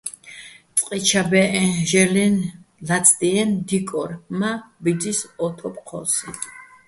წყე ჩა ბეჸეჼ, ჟე́ლრეჼ ლაცდიენი̆, დიკორ მა́ ბიძის ო თოფ ჴო́სიჼ.